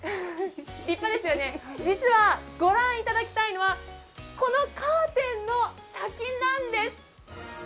立派ですよね、実はご覧いただきたいのはこのカーテンの先なんです。